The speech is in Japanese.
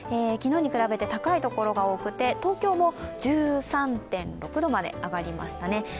昨日に比べて高いところが多くて東京も１３．６度まで上がりましたね。